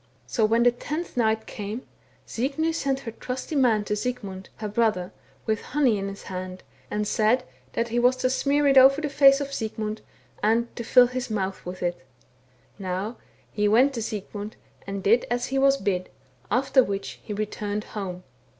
So when the tenth night came, Signy sent her trusty man to Sigmund, her brother, with honey in his hand, and said that he was to smear it over the face of Sigmund, and to fill his mouth with it. Now he went to Sigmund, and did as he was bid, after which he returned home.